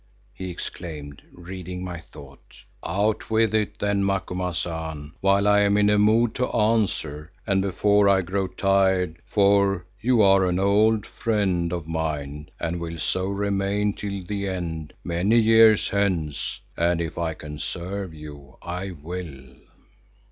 he exclaimed, reading my thought. "Out with it, then, Macumazahn, while I am in a mood to answer, and before I grow tired, for you are an old friend of mine and will so remain till the end, many years hence, and if I can serve you, I will."